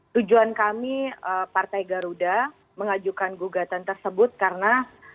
tujuan kami partai garuda mengajukan gugatan tersebut karena